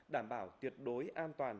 đảm bảo tiệt đối an toàn